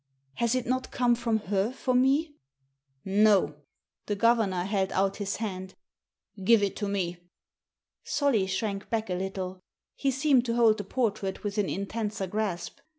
Has it not come from her for me? "No. The governor held out his hand. "Give it to me. Solly shrank back a little. He seemed to hold the portrait with an intenser grasp.